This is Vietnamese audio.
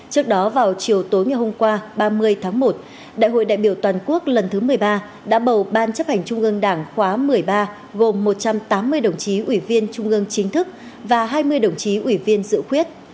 trước đó vào chiều tối ngày hôm qua ba mươi tháng một đại hội đại biểu toàn quốc lần thứ một mươi ba đã bầu ban chấp hành trung ương đảng khóa một mươi ba gồm một trăm tám mươi đồng chí ủy viên trung ương chính thức và hai mươi đồng chí ủy viên dự khuyết